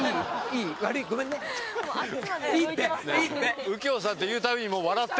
いいって。